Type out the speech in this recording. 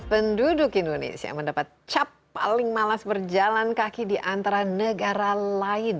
penduduk indonesia mendapat cap paling malas berjalan kaki di antara negara lain